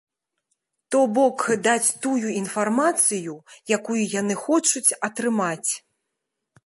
То бок, даць тую інфармацыю, якую яны хочуць атрымаць.